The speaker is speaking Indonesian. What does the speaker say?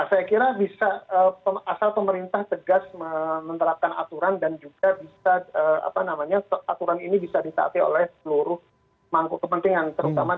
nah saya kira bisa asal pemerintah tegas menerapkan aturan dan juga bisa apa namanya aturan ini bisa disaati oleh seluruh mangkuk kepentingan